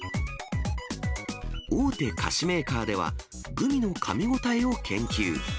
大手菓子メーカーでは、グミのかみ応えを研究。